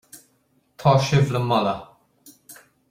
Tá sibh le moladh.